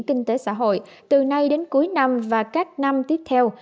kinh tế xã hội từ nay đến cuối năm và các năm tiếp theo